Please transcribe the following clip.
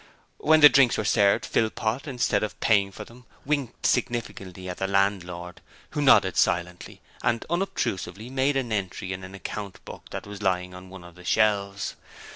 When the drinks were served, Philpot, instead of paying for them, winked significantly at the landlord, who nodded silently and unobtrusively made an entry in an account book that was lying on one of the shelves.